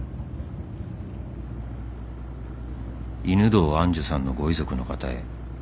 「犬堂愛珠さんのご遺族の方へ」